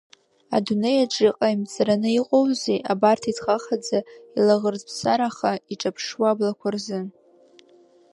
Адунеи аҿы иҟаимҵараны иҟоузеи, абарҭ иҭхахаӡа илаӷырӡԥсараха иҿаԥшуа аблақәа рзы!